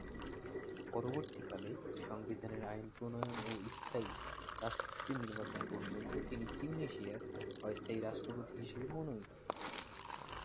পরবর্তীকালে, সংবিধানের আইন প্রণয়ন ও স্থায়ী রাষ্ট্রপতি নির্বাচন পর্যন্ত তিনি তিউনিসিয়ার অস্থায়ী রাষ্ট্রপতি হিসেবে মনোনীত হন।